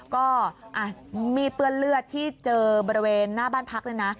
ก็มีดเปื้อนเลือดที่เจอบริเวณหน้าบ้านพักเลยนะ